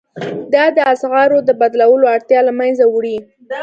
دا د اسعارو د بدلولو اړتیا له مینځه وړي.